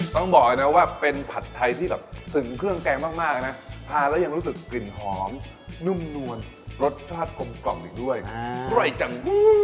ต้องบอกเลยนะว่าเป็นผัดไทยที่แบบตึงเครื่องแกงมากนะทานแล้วยังรู้สึกกลิ่นหอมนุ่มนวลรสชาติกลมกล่อมอีกด้วยอร่อยจัง